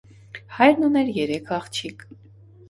Հայրն ուներ երեք աղջիկ։